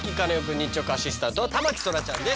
日直アシスタントは田牧そらちゃんです。